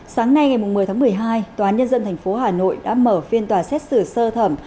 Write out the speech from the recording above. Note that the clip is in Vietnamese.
sáng nay ngày một mươi tháng một mươi hai tòa nhân dân tp hà nội đã mở phiên tòa xét xử sơ thẩm